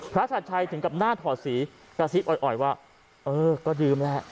พระสัตว์ชัดชัยถึงกับหน้าถอดสีกระซิบอ่อยอ่อยว่าเออก็ดื่มแล้ว